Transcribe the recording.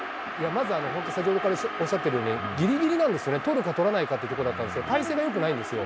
まず、先ほどからおっしゃってるように、ぎりぎりなんですよね、捕るか捕らないかっていうところなんですけど、体勢がよくないんですよ。